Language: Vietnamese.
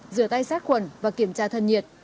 rửa tay sát quần và kiểm tra thân nhiệt